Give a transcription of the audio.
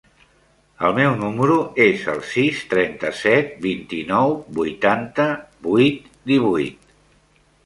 El meu número es el sis, trenta-set, vint-i-nou, vuitanta-vuit, divuit.